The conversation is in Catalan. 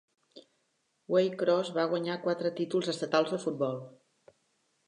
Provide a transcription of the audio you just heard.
Waycross va guanyar quatre títols estatals de futbol.